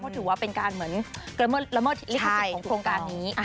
เพราะถือว่าเป็นการเหมือนละเมิดลิขสิทธิ์ของโครงการนี้